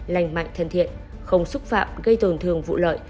lành mạnh thân thiện không xúc phạm gây tổn thương vụ lợi